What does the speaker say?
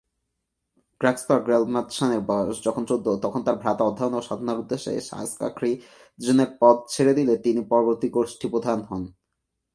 গ্রাগ্স-পা-র্গ্যাল-ম্ত্শানের বয়স যখন চৌদ্দ, তখন তার ভ্রাতা অধ্যয়ন ও সাধনার উদ্দেশ্যে সা-স্ক্যা-খ্রি-'দ্জিনের পদ ছেড়ে দিলে, তিনি পরবর্তী গোষ্ঠী প্রধান হন।